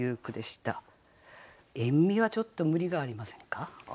「塩味」はちょっと無理がありませんか？